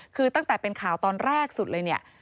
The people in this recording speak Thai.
คือตั้งแต่เป็นข่าวตอนแรกสุดเลยเนี่ย